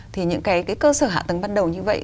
thì những cái cơ sở hạ tầng ban đầu như vậy